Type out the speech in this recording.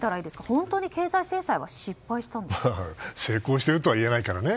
本当に経済制裁は成功しているとはいえないからね。